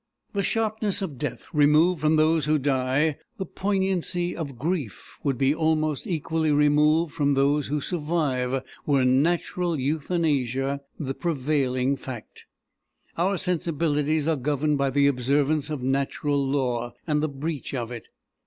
The sharpness of death removed from those who die, the poignancy of grief would be almost equally removed from those who survive, were natural Euthanasia the prevailing fact. Our sensibilities are governed by the observance of natural law and the breach of it.